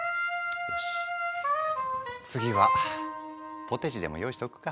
よし次はポテチでも用意しておくか。